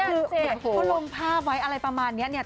คือลงภาพไว้อะไรประมาณนี้เนี่ย